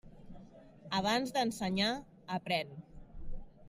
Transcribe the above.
Abans d'ensenyar, aprèn.